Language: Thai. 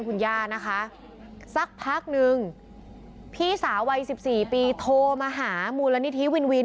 คุณย่านะคะสักพักหนึ่งพี่สาววัยสิบสี่ปีโทรมาหามูลนิทรีย์วินวิน